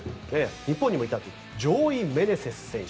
日本にもいたというジョーイ・メネセス選手。